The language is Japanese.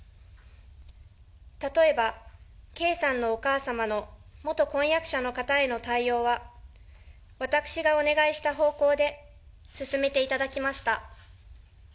例えば、圭さんのお母様の元婚約者の方への対応は、私がお願いした方向で進めていただきました。